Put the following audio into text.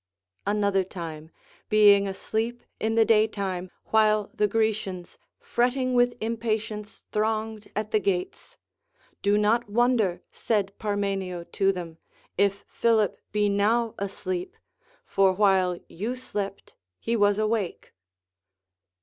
Another time, being asleep in the day time, while the Grecians fretting with impatience thronged at the gates ; Do not wonder, said Parmenio to them, if Philip be now asleep, for ΛΛ^ιϋβ you slept he was awake.